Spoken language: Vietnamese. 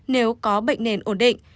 nếu có bệnh nền ổn định